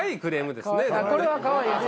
これはかわいいやつ。